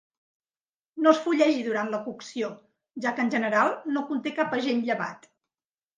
No es fullegi durant la cocció, ja que en general no conté cap agent llevat.